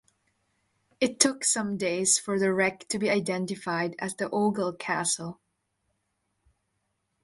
It took some days for the wreck to be identified as the "Ogle Castle".